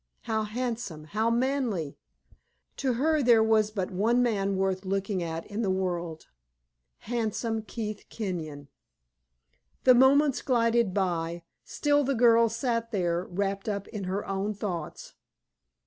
How handsome, how manly! To her there was but one man worth looking at in the world handsome Keith Kenyon. The moments glided by, still the girl sat there wrapped up in her own thoughts.